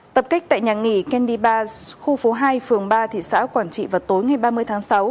tập kích tại nhà nghỉ candy bar khu phố hai phường ba thị xã quản trị vào tối ngày ba mươi tháng sáu